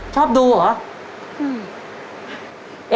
ชอบดูเหรอ